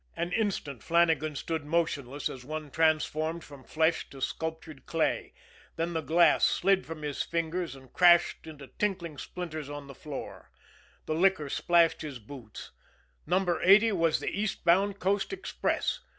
An instant Flannagan stood motionless as one transformed from flesh to sculptured clay then the glass slid from his fingers and crashed into tinkling splinters on the floor. The liquor splashed his boots. Number Eighty was the eastbound Coast Express!